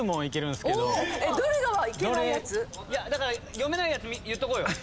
読めないやつ言っとこうよ。